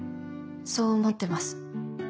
そう思ってます。